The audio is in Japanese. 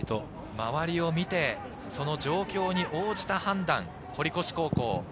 周りを見てその状況に応じた判断、堀越高校。